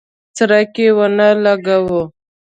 څرک یې ونه لګاوه.